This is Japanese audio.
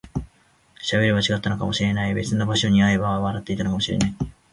喋れば違ったのかもしれない、別の場所で会えば笑っていたかもしれない